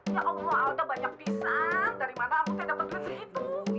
ya allah alda banyak bisa dari mana ambu teh dapet duit segitu